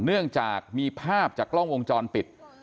เนื่องจากมีภาพจากกล้องวงจรปิด